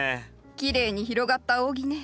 きれいに広がった扇ね。